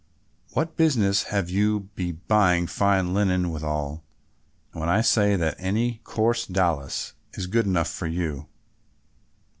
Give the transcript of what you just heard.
What business have you to be buying fine linen withal, when I say that any coarse dowlas is good enough for you?